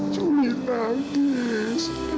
juli ada di sini